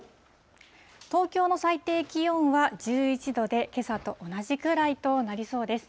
東京の最低気温は１１度で、けさと同じくらいになりそうです。